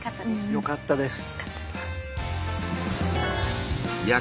よかったです。